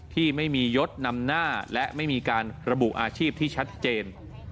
ที่ไม่มียศนำหน้าและไม่มีการระบุอาชีพที่ชัดเจน